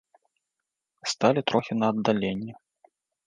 Сталі трохі на аддаленні.